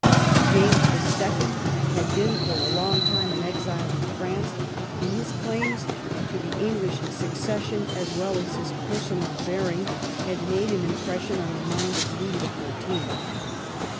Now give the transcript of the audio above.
James the Second had been for a long time an exile in France, and his claims to the English succession as well as his personal bearing had made an impression on the mind of Louis the Fourteenth.